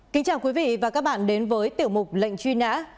kính chào quý vị và các bạn đến với tiểu mục lệnh truy nã